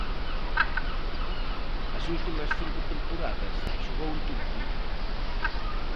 As últimas cinco temporadas xogou en Turquía.